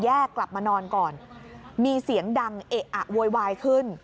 กลับมานอนก่อนมีเสียงดังเอะอะโวยวายขึ้น